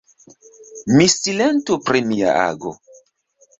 Mi silentu pri mia ago.